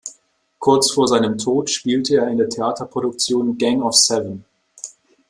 Kurz vor seinem Tod spielte er in der Theaterproduktion "Gang of Seven".